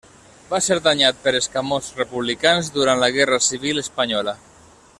Va ser danyat per escamots republicans durant la Guerra Civil espanyola.